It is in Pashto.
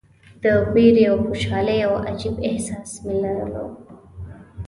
د ویرې او خوشالۍ یو عجیب احساس مې لرلو.